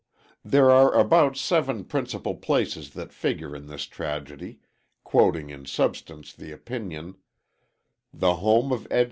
There are about seven principal places that figure in this tragedy (quoting in substance the opinion): The home of Ed.